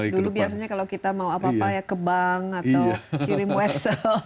dulu biasanya kalau kita mau apa apa ya ke bank atau kirim wesel